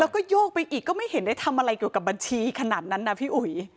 แล้วก็โยกไปอีกก็ไม่เห็นได้ทำอะไรเกี่ยวกับบัญชีขนาดนั้นนะพี่อุ๋ย